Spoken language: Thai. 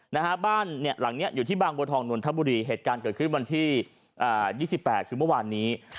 นะฮะบ้านเนี่ยหลังเนี้ยอยู่ที่บางบัวทองนนทบุรีเหตุการณ์เกิดขึ้นวันที่๒๘คือเมื่อวานนี้